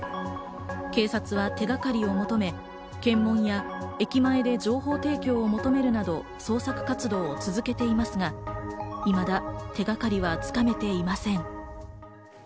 警察は手がかりを求め、検問や駅前で情報提供を求めるなど、捜索活動を続けていますが、いまだ手掛かりは掴めていません。